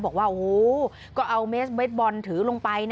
บอกว่าโอ้โหก็เอาเมสเบสบอลถือลงไป